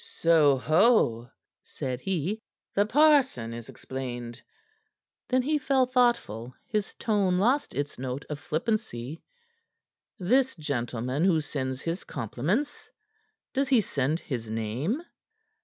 "Soho!" said he. "The parson is explained." Then he fell thoughtful, his tone lost its note of flippancy. "This gentleman who sends his compliments, does he send his name?"